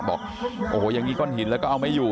บอกโอ้โหอย่างนี้ก้อนหินแล้วก็เอาไม่อยู่